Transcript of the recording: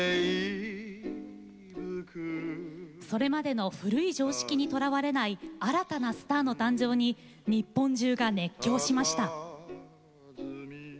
それまでの古い常識にとらわれない新たなスターの誕生に日本中が熱狂しました。